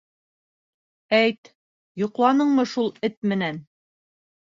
Әйт, йоҡланыңмы шул эт менән?